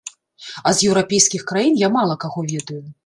А з еўрапейскіх краін я мала каго ведаю.